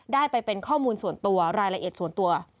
ได้ไปเป็นข้อมูลส่วนตัวรายละเอียดส่วนตัว